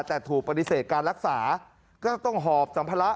แต่ถูกปฏิเสธการรักษาก็ต้องหอบสัมภาระ